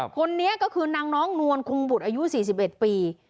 คนนี้ก็คือนางน้องนวลคงบุตรอายุ๔๑ปี